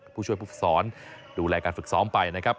ผู้ช่วยผู้ฝึกศรดูแลการฝึกซ้อมไปนะครับ